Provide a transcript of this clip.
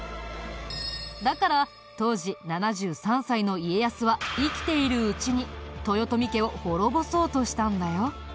だから当時７３歳の家康は生きているうちに豊臣家を滅ぼそうとしたんだよ。